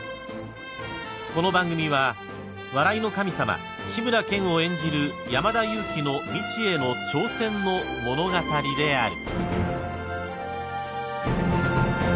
［この番組は笑いの神様志村けんを演じる山田裕貴の未知への挑戦の物語である］